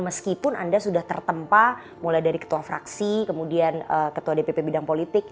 meskipun anda sudah tertempa mulai dari ketua fraksi kemudian ketua dpp bidang politik